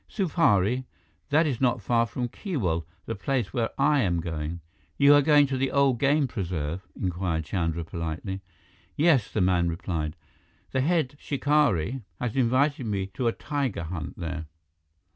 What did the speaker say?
"Supari. That is not far from Keewal, the place where I am going." "You are going to the old game preserve?" inquired Chandra politely. "Yes," the man replied. "The head shikari has invited me to a tiger hunt there."